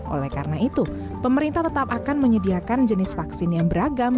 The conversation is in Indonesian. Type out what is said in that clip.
oleh karena itu pemerintah tetap akan menyediakan jenis vaksin yang beragam